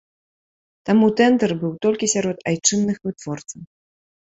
Таму тэндэр быў толькі сярод айчынных вытворцаў.